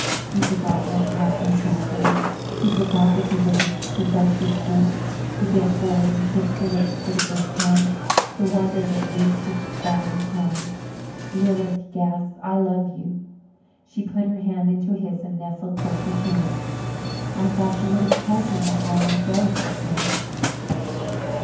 He forgot Aunt Catherine's sacrilege he forgot that he was a presumptuous fool. He bent forward and kissed her lips for the first time. The wonder of it loosed his bound tongue. "Lilith," he gasped, "I love you." She put her hand into his and nestled closer to him. "I thought you would have told me that long ago," she said.